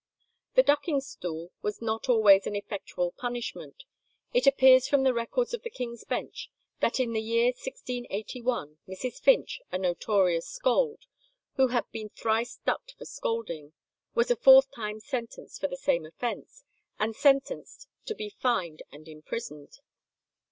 The ducking stool was not always an effectual punishment. It appears from the records of the King's Bench that in the year 1681 Mrs. Finch, a notorious scold, who had been thrice ducked for scolding, was a fourth time sentenced for the same offence, and sentenced to be fined and imprisoned.